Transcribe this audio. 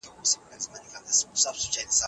ولي کوښښ کوونکی د مخکښ سړي په پرتله هدف ترلاسه کوي؟